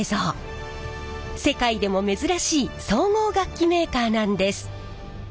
世界でも珍しい総合楽器メーカーなんです。